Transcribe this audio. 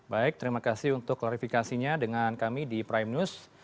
baik terima kasih untuk klarifikasinya dengan kami di prime news